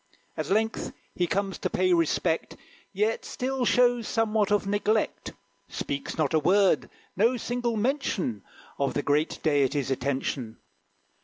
At length he comes to pay respect, Yet still shows somewhat of neglect; Speaks not a word: no single mention Of the great deities' attention.